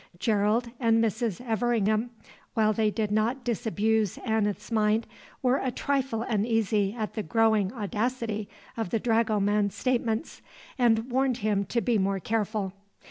Gerald and Mrs. Everingham, while they did not disabuse Aneth's mind, were a trifle uneasy at the growing audacity of the dragoman's statements, and warned him to be more careful.